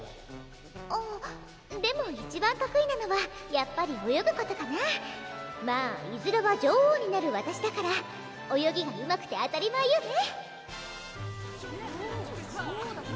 あぁでも一番得意なのはやっぱり泳ぐことかなまぁいずれは女王になるわたしだから泳ぎがうまくて当たり前よね女王？